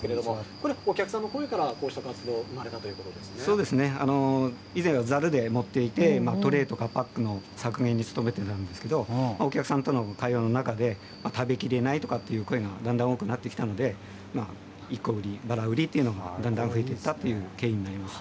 これ、お客さんの声からこうしたそうですね、以前はざるで持っていて、トレーとかパックの削減に努めてるんですけど、お客さんとの対話の中で、食べきれないとかっていう声がだんだん多くなってきたので、１個売り、ばら売りというのがだんだん増えていったという経緯になります。